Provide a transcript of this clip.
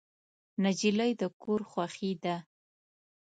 نجلۍ د کور خوښي ده.